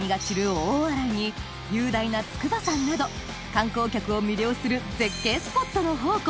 大洗に雄大な筑波山など観光客を魅了する絶景スポットの宝庫